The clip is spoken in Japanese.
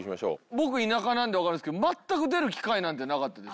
僕田舎なんで分かるんすけど全く出る機会なんてなかった。